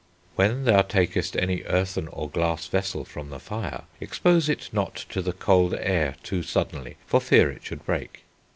"When thou takest any earthen, or glass vessel from the fire, expose it not to the cold aire too suddenly for fear it should break.